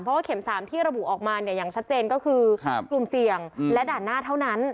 เพราะว่าเข็ม๓ที่ระบุออกมาเนี่ยอย่างชัดเจนก็คือกลุ่มเสี่ยงและด่านหน้าเท่านั้น